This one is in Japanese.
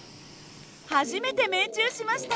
初めて命中しました。